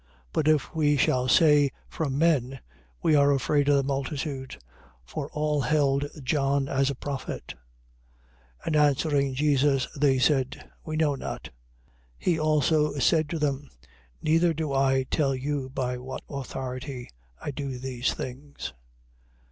But if we shall say, from men, we are afraid of the multitude: for all held John as a prophet. 21:27. And answering Jesus, they said: We know not. He also said to them: Neither do I tell you by what authority I do these things.